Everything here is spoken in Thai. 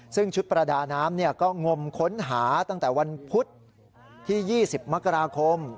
ซึ่งชุดประดาน้ำก็งมค้นหาตั้งแต่วันพุธที่๒๐มกราคม